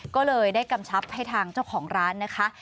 ก็เลยได้กำชับให้ทางเจ้าของร้านนะคะ